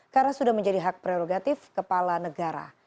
karena sudah menjadi hak prerogatif kepala negara